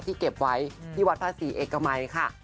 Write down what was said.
พี่เก็บไว้ที่วัดภาษีเอกมัยค่ะ